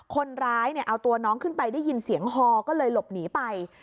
คนร้ายเอาตัวน้องขึ้นไปได้ยินเสียงฮอก็เลยหลบหนีไป